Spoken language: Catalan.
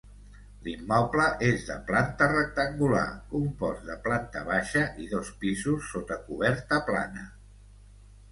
L'immoble és de planta rectangular compost de planta baixa i dos pisos sota coberta plana.